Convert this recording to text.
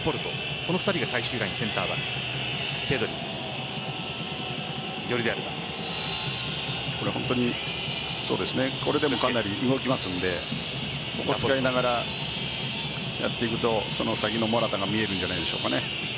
この２人が最終ライン本当にこれでもかなり動きますのでここを使いながらやっていくとその先のモラタが見えるんじゃないでしょうかね。